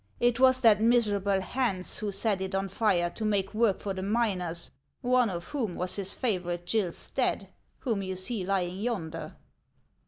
It was that miserable Hans who set it on fire to make work for the miners, one of whom was his favorite Gill Stadt, whom you see lying yonder."